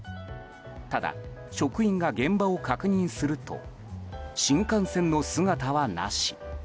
ただ、職員が現場を確認すると新幹線の姿は、なし。